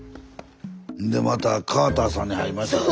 でまたカーターさんに会いましたからね。